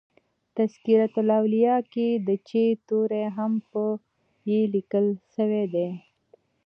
" تذکرةالاولیاء" کښي د "چي" توری هم په "ي" لیکل سوی دئ.